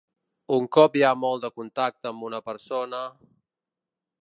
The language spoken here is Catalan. Un cop hi ha molt de contacte amb una persona...